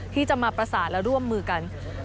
ที่จะมาประสานและร่วมมือกัน